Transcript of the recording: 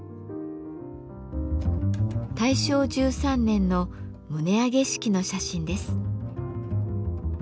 大正１３年の棟上げ式の写真です。